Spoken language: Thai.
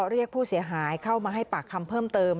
เรียกผู้เสียหายเข้ามาให้ปากคำเพิ่มเติม